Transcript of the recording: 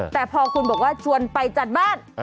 แต่พอคุณบอกว่าชวนไปจัดบ้าน